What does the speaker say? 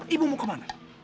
ibu mau kemana